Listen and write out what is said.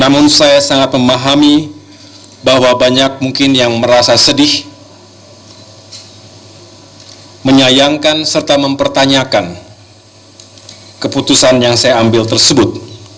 namun saya sangat memahami bahwa banyak mungkin yang merasa sedih menyayangkan serta mempertanyakan keputusan yang saya ambil tersebut